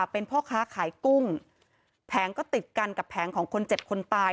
เป็นพ่อค้าขายกุ้งแผงก็ติดกันกับแผงของคนเจ็บคนตาย